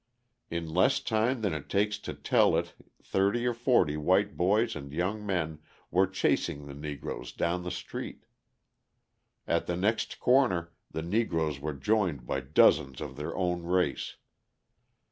In less time than it takes to tell it thirty or forty white boys and young men were chasing the Negroes down the street. At the next corner the Negroes were joined by dozens of their own race.